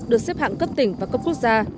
được xếp hạng cấp tỉnh và cấp quốc gia